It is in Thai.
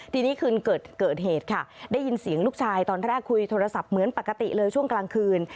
ทีนี้คืนเกิดเหตุค่ะได้ยินเสียงลูกชายตอนแรกคุยโทรศัพท์เหมือนปกติเลยช่วงกลางคืน